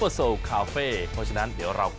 เอาล่ะเดินทางมาถึงในช่วงไฮไลท์ของตลอดกินในวันนี้แล้วนะครับ